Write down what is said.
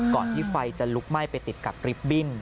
ที่ไฟจะลุกไหม้ไปติดกับริบบิ้น